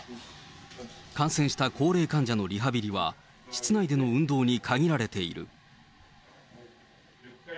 ５、６、感染した高齢患者のリハビリは、室内での運動に限られている。